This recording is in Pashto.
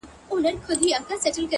رانه هېريږي نه خيالونه هېرولاى نه ســم”